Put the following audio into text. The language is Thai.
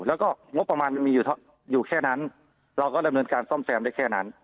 แล้วก็งบประมาณมีอยู่แค่นั้นเราก็ดำเนินการซ่อมแซมได้แค่นั้น